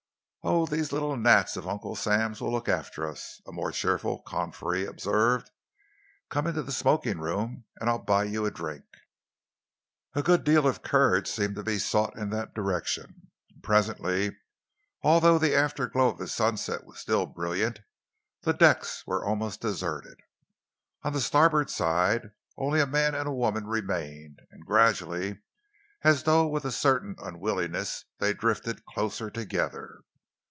"Oh, these little gnats of Uncle Sam's will look after us!" a more cheerful confrère observed. "Come into the smoking room and I'll buy you a drink." A good deal of courage seemed to be sought in that direction, and presently, although the afterglow of the sunset was still brilliant, the decks were almost deserted. On the starboard side, only a man and a woman remained, and gradually, as though with a certain unwillingness, they drifted closer together.